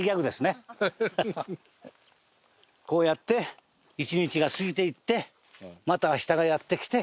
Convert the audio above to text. こうやって一日が過ぎていってまた明日がやって来て。